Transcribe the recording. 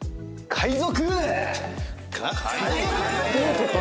「海賊！」